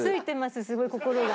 すごい心が。